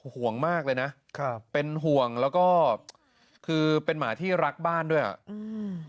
ห่วงมากเลยนะครับเป็นห่วงแล้วก็คือเป็นหมาที่รักบ้านด้วยอ่ะอืม